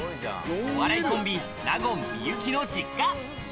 お笑いコンビ納言・幸の実家。